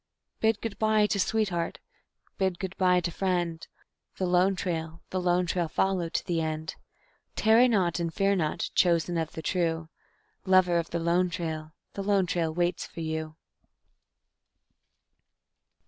_Bid good by to sweetheart, bid good by to friend; The Lone Trail, the Lone Trail follow to the end. Tarry not, and fear not, chosen of the true; Lover of the Lone Trail, the Lone Trail waits for you.